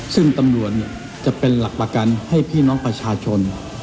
ซึ่งตำรวจจะเป็นหลักประกันให้พี่น้องประชาชน